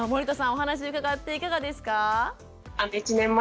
お話伺っていかがですか？